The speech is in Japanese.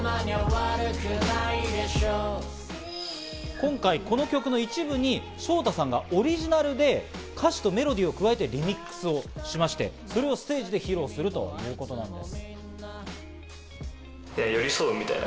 今回、この曲の一部にＳＨＯＴＡさんがオリジナルで歌詞とメロディーを加えてリミックスをしまして、それをステージで披露するということなんです。